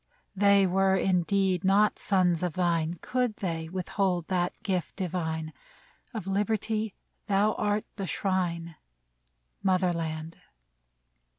They were indeed not sons of thine Could they withhold that gift divine ; Of liberty thou art the shrine, Mother land